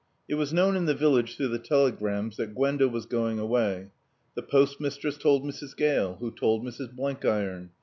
It was known in the village through the telegrams that Gwenda was going away. The postmistress told Mrs. Gale, who told Mrs. Blenkiron.